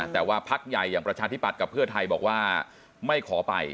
แต่ว่าพักใหญ่อย่างประชาธิบัตย์กับเพื่อไทยบอกว่าไม่ขอไป